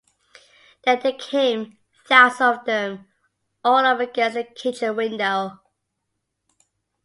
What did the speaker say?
Then they came, thousands of them, all up against the kitchen window.